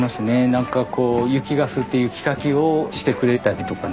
雪が降って雪かきをしてくれたりとかね